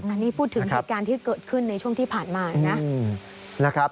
อันนี้พูดถึงเหตุการณ์ที่เกิดขึ้นในช่วงที่ผ่านมานะ